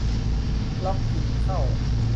ล็อกอินเข้า